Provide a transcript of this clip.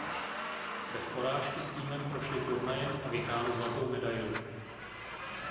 Bez porážky s týmem prošli turnajem a vyhráli zlatou medaili.